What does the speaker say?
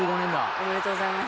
おめでとうございます。